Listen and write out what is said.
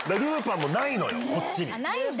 ないんだ。